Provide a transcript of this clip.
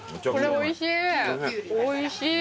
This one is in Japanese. おいしい。